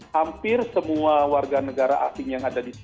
hampir semua warga negara asing yang ada di sini